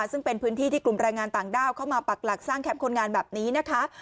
ซึ่งเป็นพื้นที่ที่กลุ่มแรงงานต่างด้าวเข้ามาปักหลักสร้างแคมป์คนงานแบบนี้นะคะ